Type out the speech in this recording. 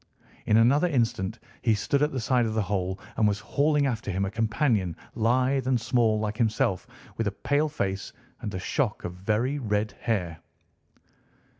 In another instant he stood at the side of the hole and was hauling after him a companion, lithe and small like himself, with a pale face and a shock of very red hair.